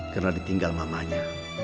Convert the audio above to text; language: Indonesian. karena ditinggal mamanya